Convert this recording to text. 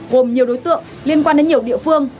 gồm nhiều đối tượng liên quan đến nhiều địa phương